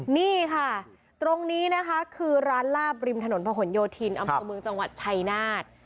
นี่ค่ะตรงนี้นะคะคือร้านลาบริมถนนพระหลโยธินอำเภอเมืองจังหวัดชัยนาธ